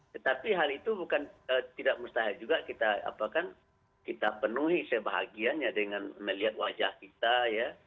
tetapi hal itu bukan tidak mustahil juga kita penuhi sebahagianya dengan melihat wajah kita ya